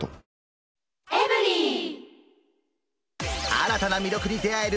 新たな魅力に出会える！